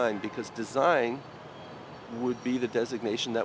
nhưng trong phương pháp